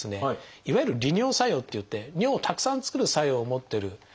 いわゆる利尿作用っていって尿をたくさん作る作用を持ってるものがありますね。